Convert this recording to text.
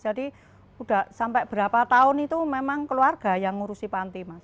jadi udah sampai berapa tahun itu memang keluarga yang ngurusi panti mas